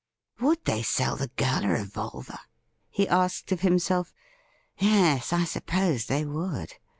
' Would they sell the girl a revolver .?' he asked of him self. 'Yes, I suppose they would.